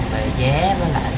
về giá với lại tiền